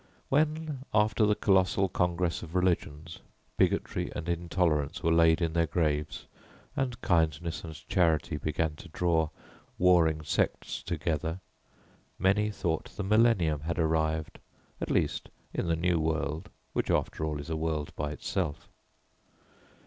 When, after the colossal Congress of Religions, bigotry and intolerance were laid in their graves and kindness and charity began to draw warring sects together, many thought the millennium had arrived, at least in the new world which after all is a world by itself.